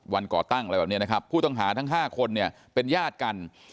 ก่อตั้งอะไรแบบนี้นะครับผู้ต้องหาทั้ง๕คนเนี่ยเป็นญาติกัน